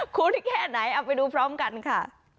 คุ้นแค่ไหนเอาไปดูพร้อมกันค่ะ